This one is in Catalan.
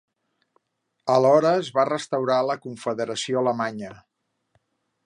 Alhora, es va restaurar la Confederació alemanya.